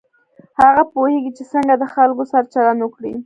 هغه پوهېږي چې څنګه د خلکو سره چلند وکړي.